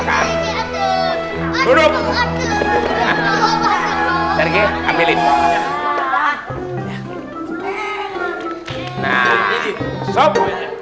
nangis yang kecoh kecoh